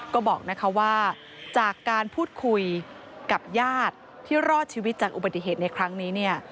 ก็บอกว่าจากการพูดคุยกับญาติที่รอดชีวิตจากอุบัติเหตุในครั้งนี้เนี่ย